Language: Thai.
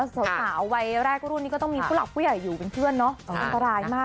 สาวสาวไว้แรกรุ่นนี้ก็ต้องมีผู้หลักผู้ใหญ่อยู่เป็นเพื่อนนะ